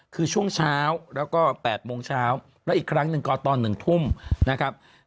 คือช่วงเช้าแล้วก็๘โมงเช้าแล้วอีกครั้งหนึ่งก็ตอน๑ทุ่มนะครับ